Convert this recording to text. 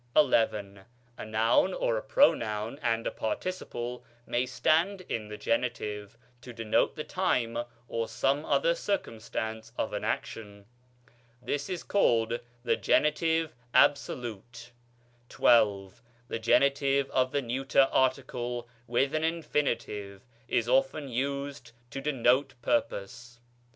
_ XI. A noun or a pronoun and a participle may stand in the genitive, to denote the time or some other circumstance of an action. This is called the genitive absolute. XII. The genitive of the neuter article with an infinitive is often used to denote purpose.